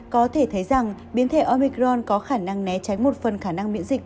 có thể thấy rằng biến thể omicron có khả năng né tránh một phần khả năng miễn dịch